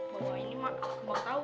nih gimana tau